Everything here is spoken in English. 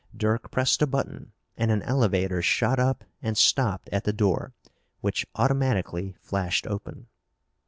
Dirk pressed a button, and an elevator shot up and stopped at the door, which automatically flashed open.